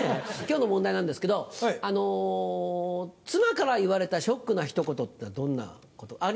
今日の問題なんですけど「妻から言われたショックなひと言」っていうのはどんなこと？